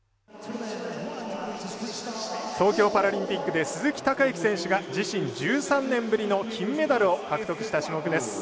東京パラリンピックで鈴木孝幸選手が自身１３年ぶりの金メダルを獲得した種目です。